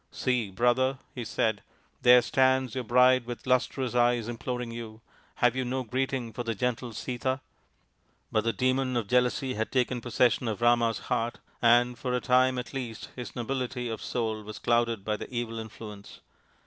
" See, brother," he said, " there stands your bride with lustrous eyes imploring you. Have you no greeting for the gentle Sita ?" RAMA'S QUEST 55 But the Demon of Jealousy had taken possession of Rama's heart, and for a time at least his nobility of soul was clouded by the evil influence.